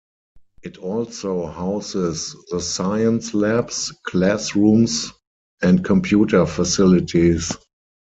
It also houses the science labs, classrooms and computer facilities.